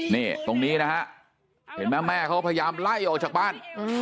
นี่ตรงนี้นะฮะเห็นไหมแม่เขาก็พยายามไล่ออกจากบ้าน